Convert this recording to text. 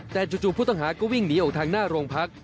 แต่จู่ผู้ต้องหาก็วิ่งหนีออกทางหน้าโรงพัก